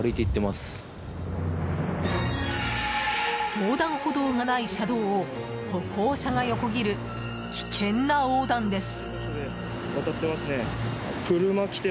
横断歩道がない車道を歩行者が横切る、危険な横断です。